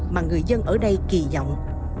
mà người dân ở đây kỳ vọng